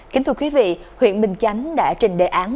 kính thưa quý vị huyện bình chánh đã trình đề án